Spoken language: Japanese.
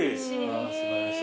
あ素晴らしい。